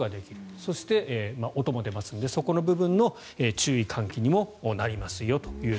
そして、音も出ますのでそこの部分の注意喚起にもなりますよと。